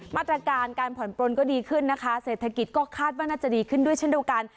มาตรการการผ่อนปลนก็ดีขึ้นนะคะเศรษฐกิจก็คาดว่าน่าจะดีขึ้นด้วยเช่นเดียวกัน